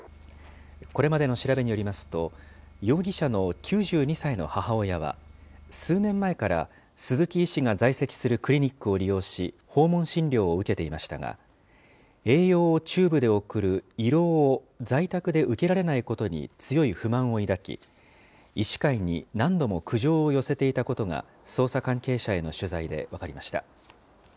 これまでの調べによりますと、容疑者の９２歳の母親は、数年前から鈴木医師が在籍するクリニックを利用し、訪問診療を受けていましたが、栄養をチューブで送る胃ろうを在宅で受けられないことに強い不満を抱き、医師会に何度も苦情を寄せていたことが、捜査関係者への取材で分かりました。